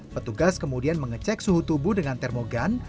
petugas kemudian mengecek suhu tubuh dengan termogan